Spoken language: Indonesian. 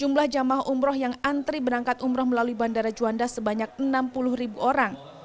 jumlah jamaah umroh yang antri berangkat umroh melalui bandara juanda sebanyak enam puluh ribu orang